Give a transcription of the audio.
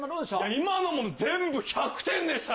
今のも全部１００点でした。